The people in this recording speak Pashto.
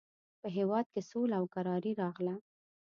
په هېواد کې سوله او کراري راغله.